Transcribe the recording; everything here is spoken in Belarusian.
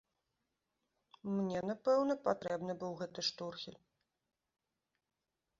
Мне, напэўна, патрэбны быў гэты штурхель.